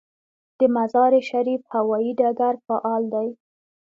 د مزار شریف هوايي ډګر فعال دی